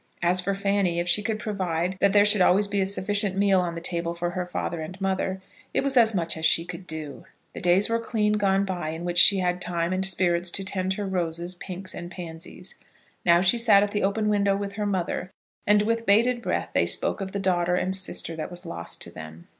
As for Fanny, if she could provide that there should always be a sufficient meal on the table for her father and mother, it was as much as she could do. The days were clean gone by in which she had had time and spirits to tend her roses, pinks, and pansies. Now she sat at the open window with her mother, and with bated breath they spoke of the daughter and sister that was lost to them.